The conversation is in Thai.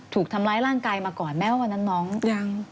ถูกทำร้ายร่างกายมาก่อนแม้ว่าวันนั้นน้องยัง